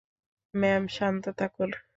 Ma'am, শান্ত থাকুন।